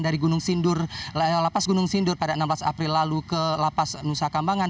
dari gunung sindur lepas gunung sindur pada enam belas april lalu ke lepas nusa kambangan